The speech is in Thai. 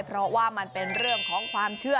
เพราะว่ามันเป็นเรื่องของความเชื่อ